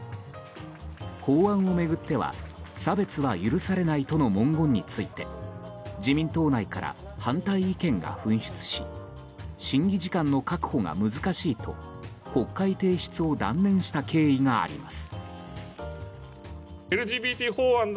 法案を巡っては差別は許されないとの文言について自民党内から反対意見が噴出し審議時間の確保が難しいと国会提出を断念した経緯があります。